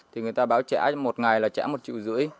thì người ta bảo trả một ngày là trả một triệu rưỡi